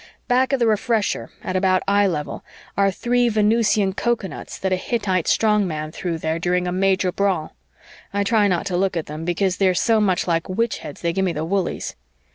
Back of the Refresher, at about eye level, are three Venusian coconuts that a Hittite strongman threw there during a major brawl. I try not to look at them because they are so much like witch heads they give me the woolies.